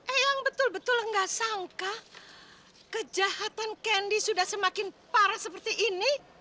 eh yang betul betul nggak sangka kejahatan kendi sudah semakin parah seperti ini